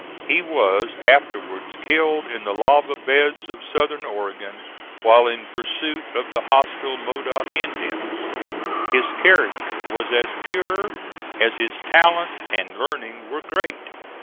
He was afterwards killed in the lava beds of Southern Oregon, while in pursuit of the hostile Modoc Indians. His character was as pure as his talent and learning were great.